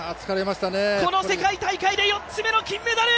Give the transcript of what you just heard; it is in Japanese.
この世界大会で４つ目の金メダル。